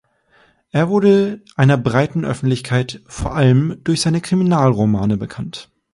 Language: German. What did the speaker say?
Er wurde einer breiteren Öffentlichkeit vor allem durch seine Kriminalromane bekannt.